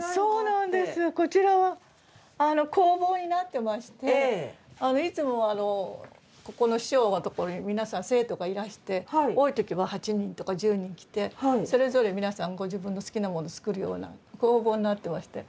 こちらは工房になってましていつもはここの師匠のところに皆さん生徒がいらして多い時は８人とか１０人来てそれぞれ皆さんご自分の好きなものを作るような工房になってまして。